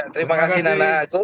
terima kasih nana